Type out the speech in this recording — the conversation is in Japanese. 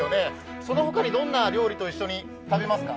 その他にどんな料理と一緒に食べますか？